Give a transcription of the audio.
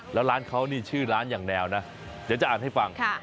แล้วร้านเขานี่ชื่อร้านอย่างแนวนะเดี๋ยวจะอ่านให้ฟัง